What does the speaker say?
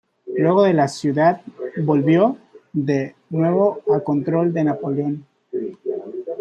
Luego la ciudad volvió de nuevo a control de Napoleón.